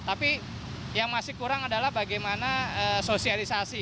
tapi yang masih kurang adalah bagaimana sosialisasi